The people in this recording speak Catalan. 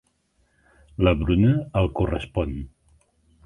La Bruna el correspon.